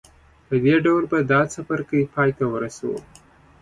په دې ډول به دا څپرکی پای ته ورسوو.